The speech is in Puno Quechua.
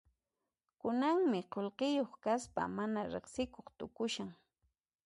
Kunanmi qullqiyuq kaspa mana riqsikuq tukushan.